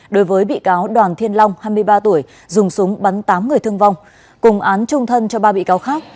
đối với bị cáo đoàn thiên long hai mươi ba tuổi dùng súng bắn tám người thương vong cùng án trung thân cho ba bị cáo khác